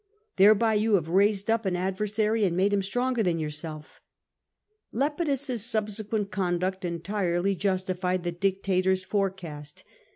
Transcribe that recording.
Thereby you have raised up an adversary and made him stronger than yourself." Lepi dus's subsequent conduct entirely justified the dictator's forecast.